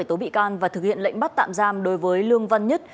tôi thấy ở nhà tốt nhất